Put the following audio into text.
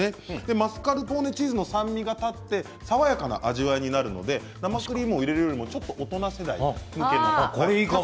マスカルポーネチーズの酸味が立って爽やかな味わいになるので生クリームを入れるよりもちょっと大人世代にいいと。